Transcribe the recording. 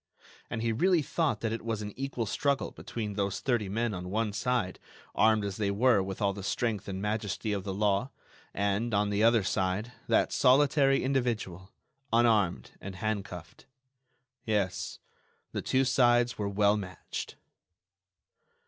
And he really thought that it was an equal struggle between those thirty men on one side, armed as they were with all the strength and majesty of the law, and, on the other side, that solitary individual, unarmed and handcuffed. Yes, the two sides were well matched.